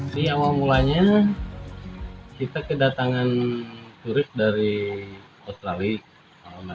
di awal mulanya kita kedatangan turis dari australia